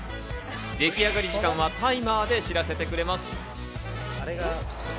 でき上がり時間はタイマーで知らせてくれます。